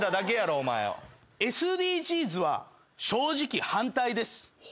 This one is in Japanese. ＳＤＧｓは正直反対です。